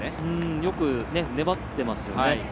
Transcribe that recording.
よく粘ってますよね。